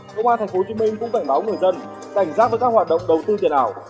công an tp hcm cũng cảnh báo người dân cảnh giác với các hoạt động đầu tư tiền ảo